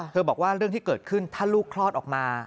บอกว่าเรื่องที่เกิดขึ้นถ้าลูกคลอดออกมา